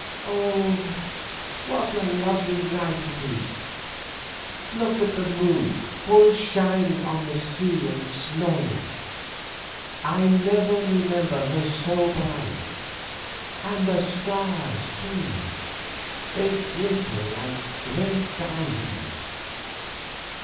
Oh! what a lovely night it is; look at the full moon shining on the sea and snow. I never remember her so bright; and the stars, too; they glitter like great diamonds."